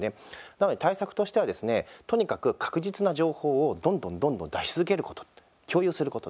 なので、対策としてはですねとにかく確実な情報をどんどんどんどん出し続けることと共有すること。